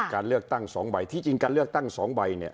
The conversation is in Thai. การเลือกตั้ง๒ใบที่จริงการเลือกตั้ง๒ใบเนี่ย